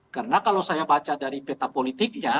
karena kalau saya baca dari peta politiknya